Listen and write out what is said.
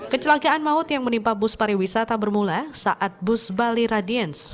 kecelakaan maut yang menimpa bus pariwisata bermula saat bus bali radience